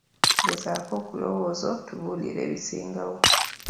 Gezaako okulowooza otubuulire ebisingawo.